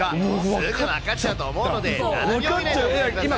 すぐ分かっちゃうと思うので、７秒でお答えください。